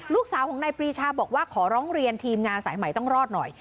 ลูกสาวของนายปรีชาบอกว่าขอร้องเรียนทีมงานสายใหม่ต้องรอดหน่อย